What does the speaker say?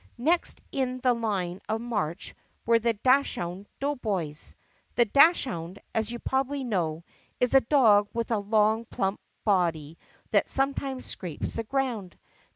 Next in the line of march were the Dachshund Doughboys. The dachshund, as you probably know, is a dog with a long plump body that sometimes scrapes the ground.